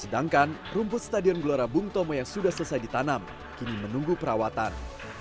dan rumput stadion glorabung tomo yang sudah selesai ditanam kini menunggu perawatan